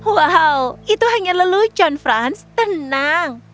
wow itu hanya lelucon franz tenang